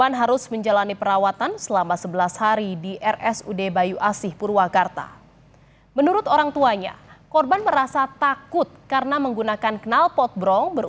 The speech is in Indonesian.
insiden tertabraknya pemotor tersebut terekam cctv